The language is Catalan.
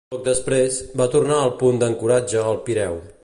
Poc després, va tornar al punt d'ancoratge al Pireu.